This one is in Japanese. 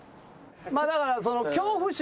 まあだからその。